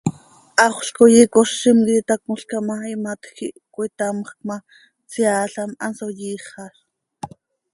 Haxöl coi icozim iti itácmolca ma, imatj quih cöitamjc ma, tseaalam hanso yiixaz.